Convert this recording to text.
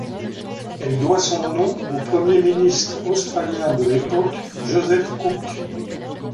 Elle doit son nom au premier ministre australien de l'époque Joseph Cook.